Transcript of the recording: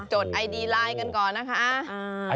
ดไอดีไลน์กันก่อนนะคะ